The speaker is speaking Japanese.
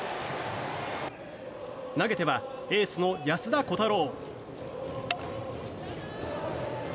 投げてはエースの安田虎汰郎。